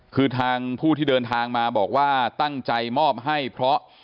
คือทางผู้ที่เดินทางมาบอกว่าตั้งใจมอบให้เพราะ